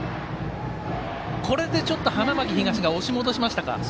これで、ちょっと花巻東が押し戻しましたか。